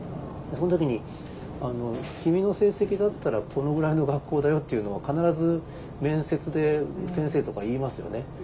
その時に「君の成績だったらこのぐらいの学校だよ」っていうのは必ず面接で先生とか言いますよね。